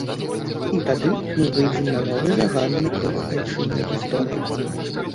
І тады мы выйдзем на новы заганны круг айчыннай гісторыі.